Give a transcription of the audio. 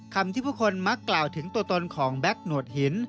คำที่ผู้คนมักกล่าวถึงตัวตนของแก๊กหนวดหิน